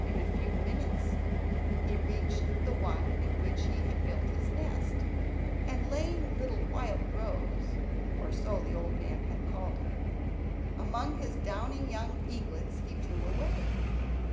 In a few minutes he reached the one in which he had built his nest, and laying little Wildrose (for so the old man had called her) among his downy young eaglets, he flew away.